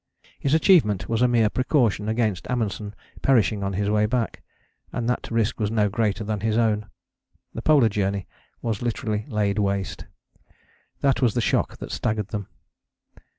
His achievement was a mere precaution against Amundsen perishing on his way back; and that risk was no greater than his own. The Polar Journey was literally laid waste: that was the shock that staggered them.